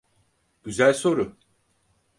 Güzel soru.